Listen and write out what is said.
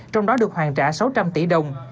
trong đó được hoàn trả sáu trăm linh tỷ đồng